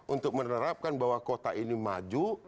untuk menerapkan bahwa kota ini maju